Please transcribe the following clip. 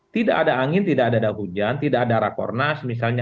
tidak ada angin tidak ada hujan tidak ada rakornas misalnya